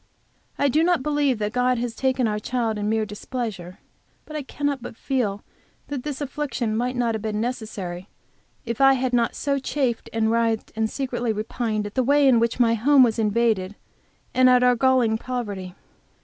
I do not believe God has taken our child in mere displeasure, but cannot but feel that this affliction might not have been necessary if I had not so chafed and writhed and secretly repined at the way in which my home was invaded, and at our galling poverty.